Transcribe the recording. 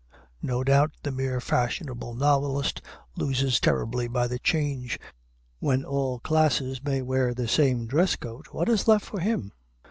No doubt the mere fashionable novelist loses terribly by the change: when all classes may wear the same dress coat, what is left for him?